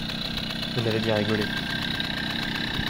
On avait bien rigolé.